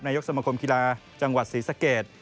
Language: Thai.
ยกสมคมกีฬาจังหวัดศรีสะเกด